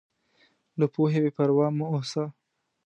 له پوهې بېپروا مه اوسه.